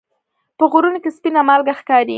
په غرونو کې سپینه مالګه ښکاري.